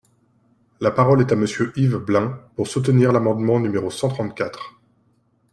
La parole est à Monsieur Yves Blein, pour soutenir l’amendement numéro cent trente-quatre.